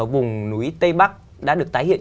vùng núi tây bắc đã được tái hiện